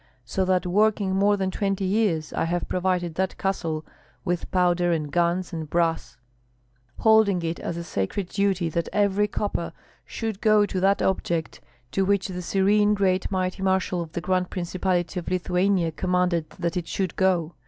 So that working more than twenty years I have provided that castle with powder and guns and brass; holding it as a sacred duty that every copper should go to that object to which the serene great mighty marshal of the Grand Principality of Lithuania commanded that it should go.